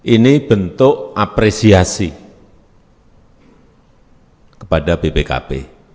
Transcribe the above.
ini bentuk apresiasi kepada bpkp